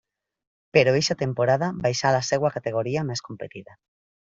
Però eixa temporada baixà a la seua categoria més competida.